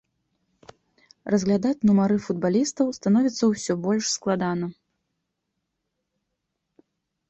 Разглядаць нумары футбалістаў становіцца ўсё больш складана.